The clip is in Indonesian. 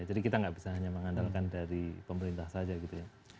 jadi kita nggak bisa hanya mengandalkan dari pemerintah saja gitu ya